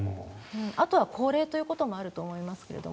あとは高齢ということもあると思います。